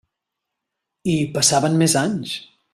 I passaven més anys.